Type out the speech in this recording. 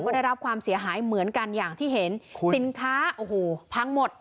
ก็ได้รับความเสียหายเหมือนกันอย่างที่เห็นสินค้าโอ้โหพังหมด